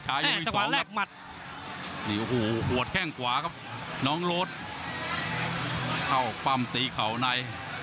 ช้ายังไม่สองครับหัวแข้งขวาครับน้องโรสเข้าปั้มตีเข่าใน